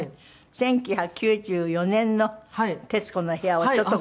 １９９４年の『徹子の部屋』をちょっとご覧ください。